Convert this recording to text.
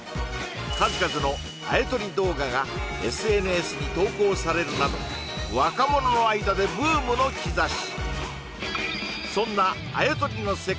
数々のあやとり動画がＳＮＳに投稿されるなど若者の間でブームの兆し